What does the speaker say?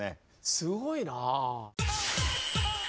すごいな。